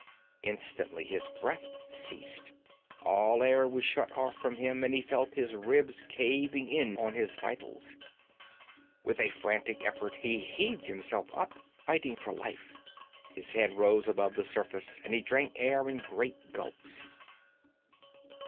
Instantly his breath ceased; all air was shut off from him and he felt his ribs caving in on his vitals. With a frantic effort he heaved himself up, fighting for life. His head rose above the surface and he drank air in great gulps.